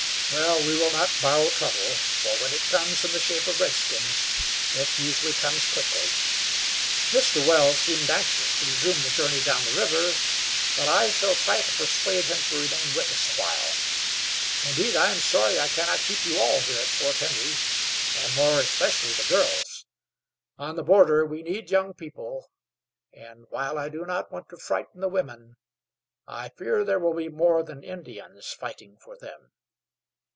Well, we will not borrow trouble, for when it comes in the shape of redskins it usually comes quickly. Mr. Wells seemed anxious to resume the journey down the river; but I shall try to persuade him to remain with us awhile. Indeed, I am sorry I cannot keep you all here at Fort Henry, and more especially the girls. On the border we need young people, and, while I do not want to frighten the women, I fear there will be more than Indians fighting for them."